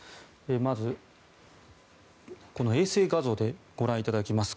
まず、この衛星画像でご覧いただきます。